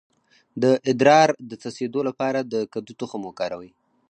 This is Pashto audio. د ادرار د څڅیدو لپاره د کدو تخم وخورئ